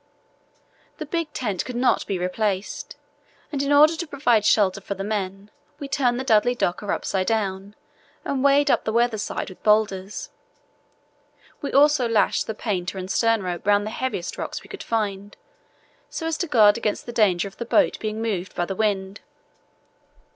The big tent could not be replaced, and in order to provide shelter for the men we turned the Dudley Docker upside down and wedged up the weather side with boulders. We also lashed the painter and stern rope round the heaviest rocks we could find, so as to guard against the danger of the boat being moved by the wind.